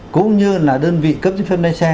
cũng như là đơn vị cấp giấy phép lái xe